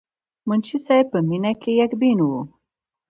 منشي صېب پۀ مينه کښې يک بين وو،